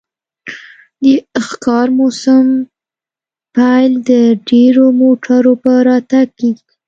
د ښکار موسم پیل د ډیرو موټرو په راتګ کیږي